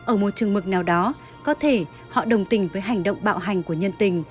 ở một trường mực nào đó có thể họ đồng tình với hành động bạo hành của nhân tình